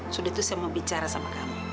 sudah itu saya mau bicara sama kami